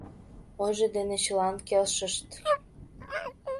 Ойжо дене чылан келшышт.